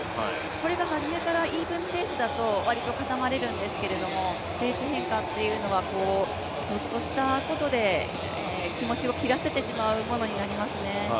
これが始めからイーブンペースだと、わりとかたまれるんですけど、ペース変化というのはちょっとしたことで気持ちを切らせてしまうものになりますね。